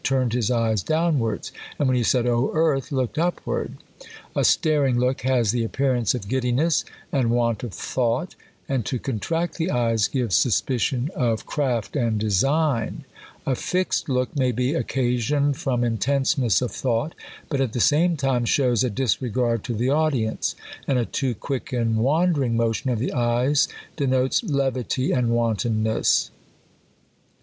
turned his eyes downwards ; and when he said, O Earth ! looked upward. A staring look lias the appearance of giddiness and want of thought : and to contract the eyes gives suspicion of craf* THE COLUMBIAN ORATOR. 23 craft and design. A fixed look may be occasioned from intenseness of thought ; but at the same time shows a disre^gard to the audience ; and a too quick and wan dering motion of the eyes denotes levity and wanton ness.